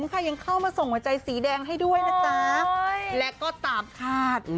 ค่ะยังเข้ามาส่งหัวใจสีแดงให้ด้วยนะจ๊ะและก็ตามคาด